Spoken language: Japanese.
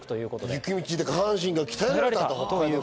雪道で下半身が鍛えられた。